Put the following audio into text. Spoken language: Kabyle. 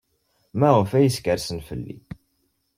Maɣef ay skerksen fell-i?